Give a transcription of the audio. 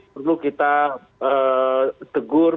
perlu kita tegur